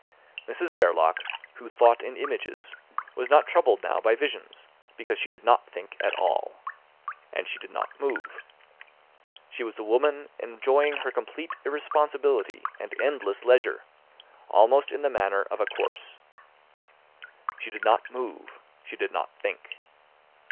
Mrs Verloc, who thought in images, was not troubled now by visions, because she did not think at all. And she did not move. She was a woman enjoying her complete irresponsibility and endless leisure, almost in the manner of a corpse. She did not move, she did not think.